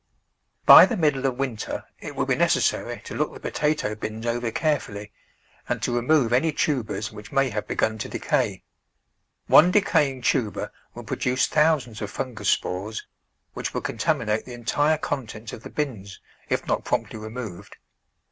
By the middle of winter it will be necessary to look the potato bins over carefully and to remove any tubers which may have begun to decay. One decaying tuber will produce thousands of fungus spores, which will contaminate the entire contents of the bins if not promptly removed.